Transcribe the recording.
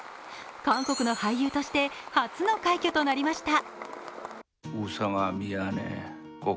韓国の俳優として初の快挙となりました。